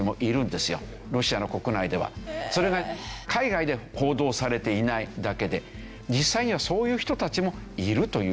それが海外で報道されていないだけで実際にはそういう人たちもいるという事ですよね。